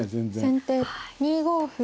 先手２五歩。